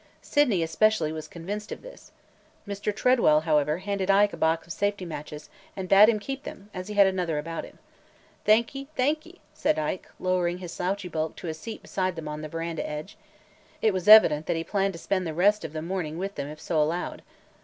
Sydney especially was convinced of this. Mr. Tredwell, however, handed Ike a box of safety matches and bade him keep them, as he had another about him. "Thank ye! thank ye!" said Ike, lowering his slouchy bulk to a seat beside them on the veranda edge. It was evident that he planned to spend the rest of the morning with them if so allowed.